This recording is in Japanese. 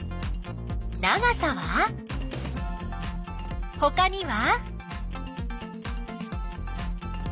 長さは？ほかには？